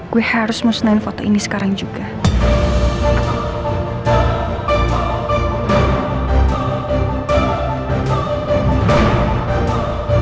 gue harus musnahin foto ini sekarang juga